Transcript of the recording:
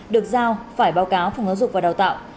được giao phải báo cáo phòng giáo dục và đào tạo